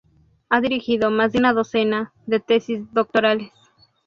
Ha dirigido más de una docena de tesis doctorales.